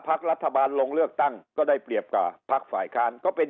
พักรัฐบาลลงเลือกตั้งก็ได้เปรียบกับพักฝ่ายค้านก็เป็น